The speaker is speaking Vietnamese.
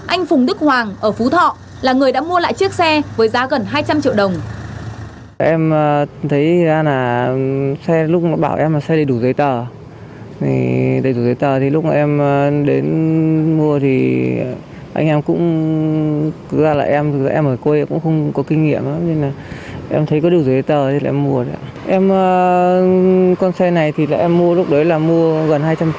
anh phùng đức hoàng ở phú thọ là người đã mua lại chiếc xe với giá gần hai trăm linh triệu đồng